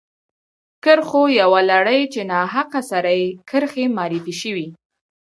کرښو یوه لړۍ چې ناحقه سرې کرښې معرفي شوې.